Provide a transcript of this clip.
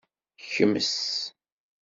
Kmes.